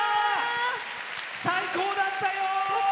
最高だったよ！